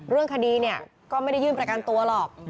เรื่องคดีเนี่ยก็ไม่ได้ยื่นประกันตัวหรอก